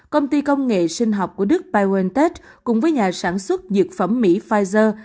công ty công nghệ sinh học của đức biontech cùng với nhà sản xuất dược phẩm mỹ pfizer